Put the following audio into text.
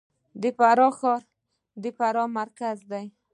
د فراه ښار د فراه مرکز دی